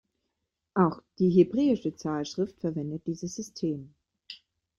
Auch die Hebräische Zahlschrift verwendet dieses System.